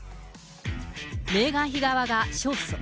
メーガン妃側が勝訴。